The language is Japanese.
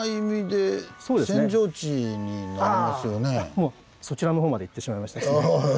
もうそちらの方までいってしまいましたですね。